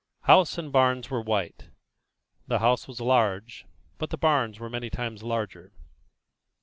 House and barns were white; the house was large, but the barns were many times larger.